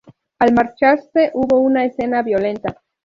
Al marcharse hubo una escena violenta.